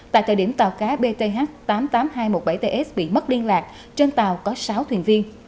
tại thời điểm tàu cá bth tám mươi tám nghìn hai trăm một mươi bảy ts bị mất liên lạc trên tàu có sáu thuyền viên